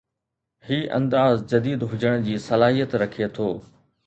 هي انداز جديد هجڻ جي صلاحيت رکي ٿو